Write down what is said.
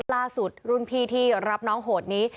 ล่าสุดรุ่นพี่ที่รับน้องโหดนี้